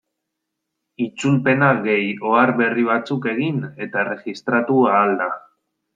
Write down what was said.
Itzulpena gehi ohar berri batzuk egin eta erregistratu ahal da.